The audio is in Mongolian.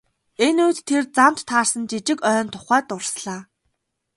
Энэ үед тэр замд таарсан жижиг ойн тухай дурслаа.